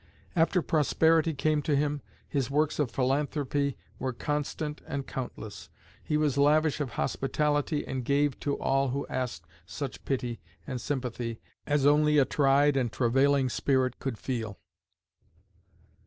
After prosperity came to him, his works of philanthropy were constant and countless. He was lavish of hospitality and gave to all who asked such pity and sympathy as only a tried and travailing spirit could feel.